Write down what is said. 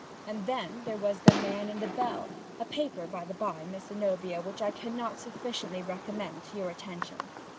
And then there was 'The Man in the Bell,' a paper by the by, Miss Zenobia, which I cannot sufficiently recommend to your attention.